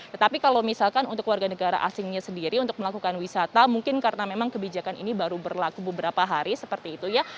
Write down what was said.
tetapi kalau misalkan untuk warga negara asingnya sendiri untuk melakukan wisata mungkin karena memang kebijakan ini baru berlaku beberapa hari seperti itu ya